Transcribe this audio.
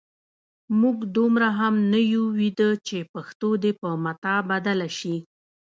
موږ دومره هم نه یو ویده چې پښتو دې په متاع بدله شي.